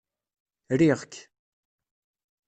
Riɣ-k.